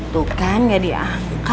tuh kan gak diangkat